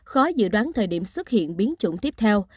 khó dự đoán thời điểm xuất hiện biến chủng tiếp theo